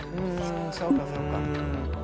そうかそうか。